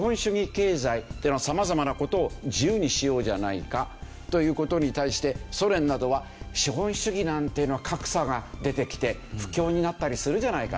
経済っていうのは様々な事を自由にしようじゃないかという事に対してソ連などは資本主義なんていうのは格差が出てきて不況になったりするじゃないかと。